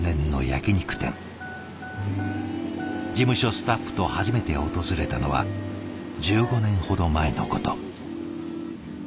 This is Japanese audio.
事務所スタッフと初めて訪れたのは１５年ほど前のこと。